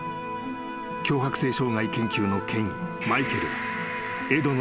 強迫性障がい研究の権威マイケルはエドの］